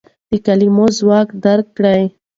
د کلمو ځواک درک کړئ.